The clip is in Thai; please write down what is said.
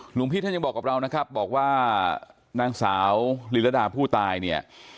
หลวงพี่ท่านยังบอกกับเรานะครับบอกว่านางสาวลีระดาผู้ตายเนี่ย